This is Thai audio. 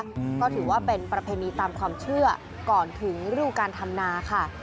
ก็ถือว่าเป็นประเพณีตามความเชื่อก่อนถึงฤดูการทำนาค่ะ